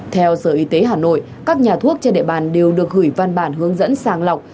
theo sở y tế hà nội các nhà thuốc trên địa bàn đều được gửi văn bản hướng dẫn sàng lọc